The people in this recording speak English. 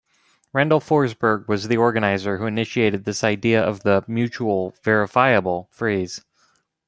Randall Forsberg was the organizer who initiated this idea of the "mutual, verifiable" Freeze.